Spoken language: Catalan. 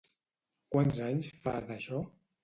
Quants anys fa, d'això?